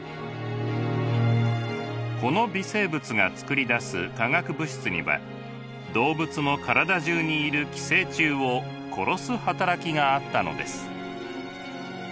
この微生物が作り出す化学物質には動物の体中にいる寄生虫を殺す働きがあったのです。